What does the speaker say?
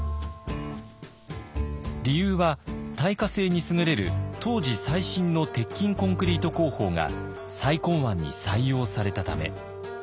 理由は耐火性に優れる当時最新の鉄筋コンクリート工法が再建案に採用されたため。